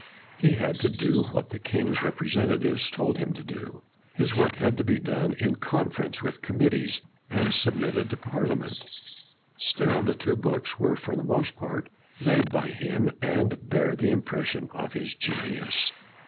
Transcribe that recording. He had to do 90 CRANMER what the king's representatives told him to do. His work had to be done in con ference with committees and submitted to Parliament. Still, the two books were for the most part made by him, and bear the impression of his genius.